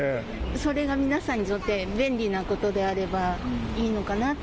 それが皆さんにとって便利なことであればいいのかなって。